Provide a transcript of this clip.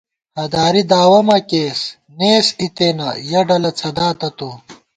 ہَداری دعوَہ مہ کېئیس، نېس اِتے نہ یَہ ڈلہ څھداتہ تو